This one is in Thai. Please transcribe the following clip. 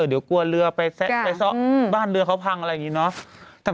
เดี๋ยวกลัวเรือไปซะบ้านเรือเขาพังอะไรอย่างนี้เนอะ